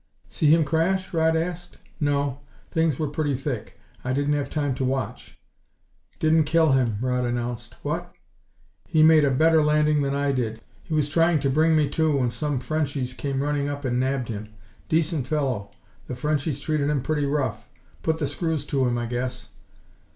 "See him crash?" Rodd asked. "No. Things were pretty thick. I didn't have time to watch." "Didn't kill him," Rodd announced. "What!" "He made a better landing than I did. He was trying to bring me to when some Frenchies came running up and nabbed him. Decent fellow. The Frenchies treated him pretty rough. Put the screws to him, I guess."